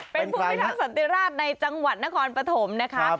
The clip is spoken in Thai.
เป็นภูมิพิทักษันติราชในจังหวัดนครปฐมนะคะ